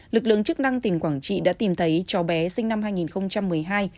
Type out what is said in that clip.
lực lượng chức năng tỉnh quảng trị đã tìm thấy cháu bé sinh năm hai nghìn một mươi hai